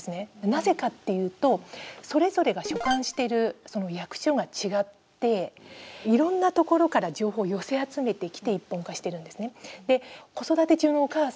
なぜかというと、それぞれが所管してる役所が違っていろんなところから情報を寄せ集めてきて一本化してるんですね。